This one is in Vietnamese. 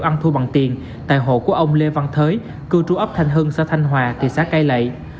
ăn thua bằng tiền tại hộ của ông lê văn thới cư trú ấp thanh hưng xã thanh hòa thị xã cai lệ